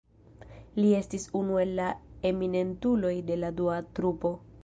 Li estis unu el la eminentuloj de la dua trupo.